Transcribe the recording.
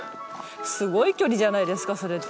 すごい距離じゃないですかそれって。